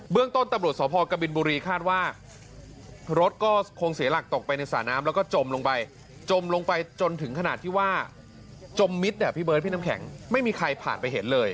ต้นตำรวจสพกบินบุรีคาดว่ารถก็คงเสียหลักตกไปในสระน้ำแล้วก็จมลงไปจมลงไปจนถึงขนาดที่ว่าจมมิตรพี่เบิร์ดพี่น้ำแข็งไม่มีใครผ่านไปเห็นเลย